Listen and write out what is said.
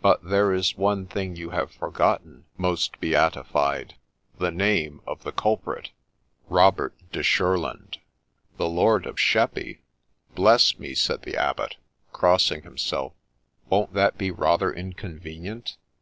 But there is one thing you have forgotten, most Beatified — the name of the culprit.' ' Robert de Shurland.' ' The Lord of Sheppey ! Bless me !' said the Abbot, crossing himself, ' won't that be rather inconvenient